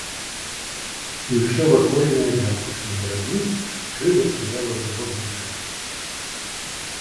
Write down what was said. І ўсё вакольнае да апошніх драбніц жыва стаяла ў яго мазгах.